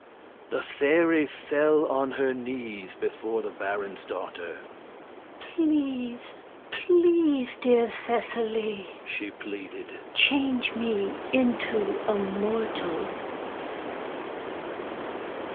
The fairy fell on her knees before the baron's daughter. "Please please, dear Seseley," she pleaded, "change me into a mortal!"